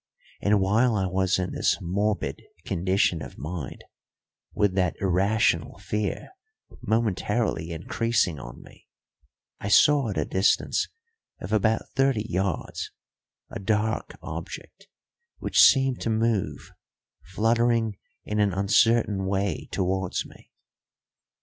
And while I was in this morbid condition of mind, with that irrational fear momentarily increasing on me, I saw at a distance of about thirty yards a dark object, which seemed to move, fluttering in an uncertain way towards me.